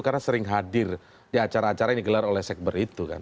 karena sering hadir di acara acara yang digelar oleh sekber itu kan